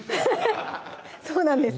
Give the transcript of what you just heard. そうなんです